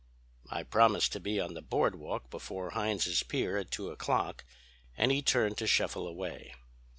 "I promised to be on the Boardwalk before Heinz's Pier at two o'clock, and he turned to shuffle away.